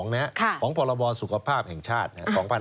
ในม๑๒ของพบสุขภาพแห่งชาติ๒๕๕๐